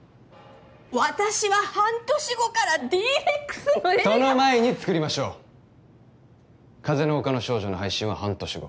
私は半年後からＤ−ＲＥＸの映画をその前に作りましょう「風の丘の少女」の配信は半年後